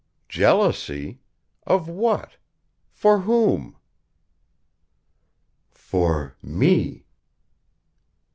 "Jealousy? Of what? For whom?" "For me."